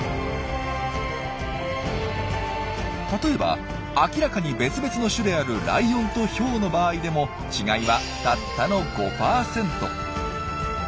例えば明らかに別々の種であるライオンとヒョウの場合でも違いはたったの５％。